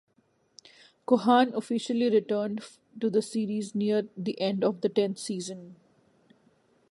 Cohan officially returned to the series near the end of the tenth season.